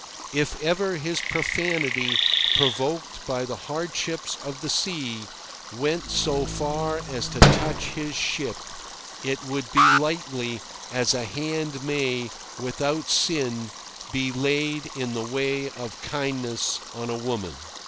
If ever his profanity, provoked by the hardships of the sea, went so far as to touch his ship, it would be lightly, as a hand may, without sin, be laid in the way of kindness on a woman.